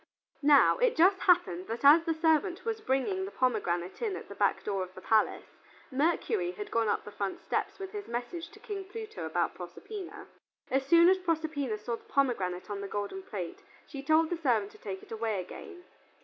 Now it just happened that as the servant was bringing the pomegranate in at the back door of the palace, Mercury had gone up to the front steps with his message to King Pluto about Proserpina. As soon as Proserpina saw the pomegranate on the golden plate, she told the servant to take it away again.